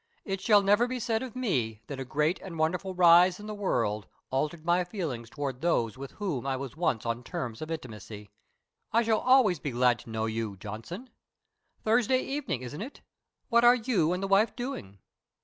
It shall never be said of me that a great and wonderful rise in the world altered my feelings towards those with whom I was once on terms of intimacy. I shall always be glad to know you, Johnson. Thursday evening, isn't it? What are you and the wife doing?"